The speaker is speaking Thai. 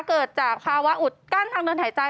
เกิดจากภาวะอุดกั้นทางเดินหายใจ